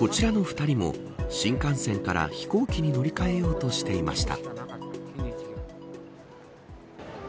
こちらの２人も新幹線から飛行機に乗り換えようとしていました。